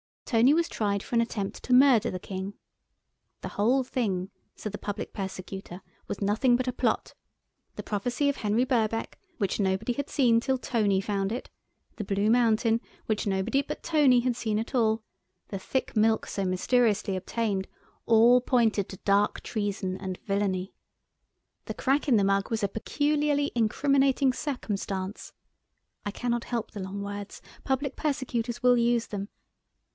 Tony was tried for an attempt to murder the King. The whole thing, said the Public Persecutor, was nothing but a plot. The prophecy of Henry Birkbeck, which nobody had seen, till Tony found it; the Blue Mountain, which nobody but Tony had seen at all; the thick milk so mysteriously obtained, all pointed to dark treason and villainy. The crack in the mug was a peculiarly incriminating circumstance. (I cannot help the long words—Public Persecutors will use them.)